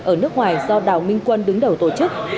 ở nước ngoài do đào minh quân đứng đầu tổ chức